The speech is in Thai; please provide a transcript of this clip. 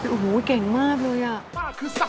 โอ้โหเก่งมากเลยอ่ะ